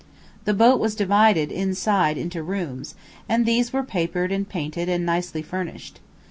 The boat was divided, inside, into rooms, and these were papered and painted and nicely furnished.